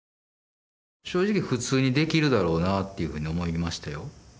正直普通にできるだろうなっていうふうに思いましたよ。